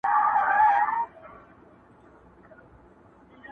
خُمار مي د عمرونو میکدې ته وو راوړی.!